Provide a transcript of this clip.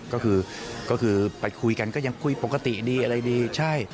ก็คือก็คือไปคุยกันก็ยังคุยปกติดีอะไรดีใช่